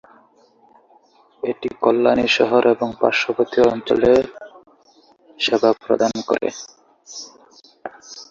এটি কল্যাণী শহর এবং পার্শ্ববর্তী অঞ্চলের সেবা প্রদান করে।